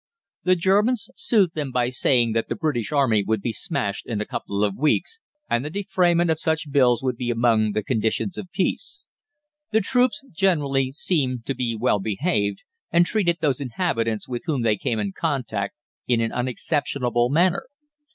The Germans soothed them by saying that the British Army would be smashed in a couple of weeks, and the defrayment of such bills would be among the conditions of peace. The troops generally seemed to be well behaved, and treated those inhabitants with whom they came in contact in an unexceptionable manner.